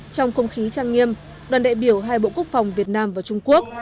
trong không khí trang nghiêm đoàn đại biểu hai bộ quốc phòng việt nam và trung quốc